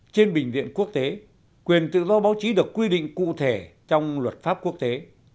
trên bệnh viện quốc tế quyền tự do báo chí được quy định cụ thể trong luật pháp quốc tế